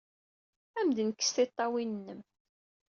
Ad am-d-nekkes tiṭṭawin-nnem!